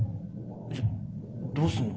じゃあどうすんの？